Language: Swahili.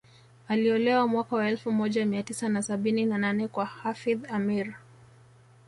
Aliolewa mwaka wa elfu moja Mia tisa na sabini na nane kwa Hafidh Ameir